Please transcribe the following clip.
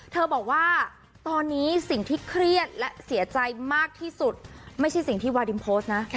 บอกว่าตอนนี้สิ่งที่เครียดและเสียใจมากที่สุดไม่ใช่สิ่งที่วาดิมโพสต์นะ